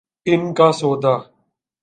ان کا سودا؟